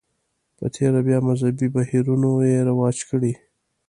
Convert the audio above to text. په تېره بیا مذهبي بهیرونو یې رواج کړي.